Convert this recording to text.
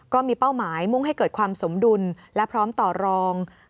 เป้าหมายมุ่งให้เกิดความสมดุลและพร้อมต่อรอง